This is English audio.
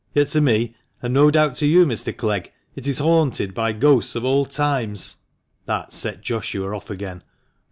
Yet to me, and no doubt to you, Mr. Clegg, it is haunted by ghosts of old times!" That set Joshua off again.